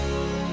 gak tahu kok